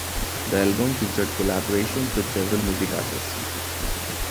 The album featured collaborations with several music artists.